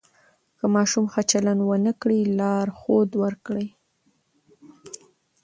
که ماشوم ښه چلند ونه کړي، لارښود ورکړئ.